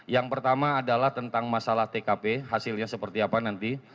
yang pertama adalah tentang masalah tkp hasilnya seperti apa nanti